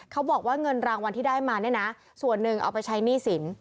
เขาบอกว่าเงินรางวัลที่ได้มาเนี่ยนะส่วนหนึ่งเอาไปใช้หนี้สิน